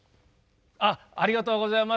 ありがとうございます。